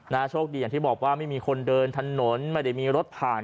โชคดีอย่างที่บอกว่าไม่มีคนเดินถนนไม่ได้มีรถผ่าน